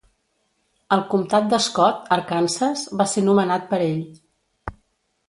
El comtat de Scott, Arkansas, va ser nomenat per ell.